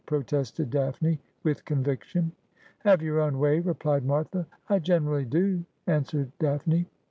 protested Daphne with conviction. ' Have your own way,' replied Martha. ' I generally do,' answered Daphne.